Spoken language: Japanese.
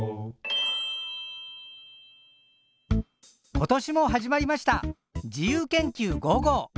今年も始まりました「自由研究５５」。